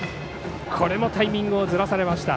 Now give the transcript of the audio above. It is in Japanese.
これもタイミングをずらされました。